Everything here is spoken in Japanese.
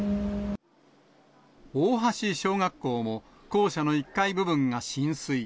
大橋小学校も、校舎の１階部分が浸水。